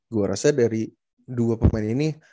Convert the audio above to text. gue rasa dari dua pemain ini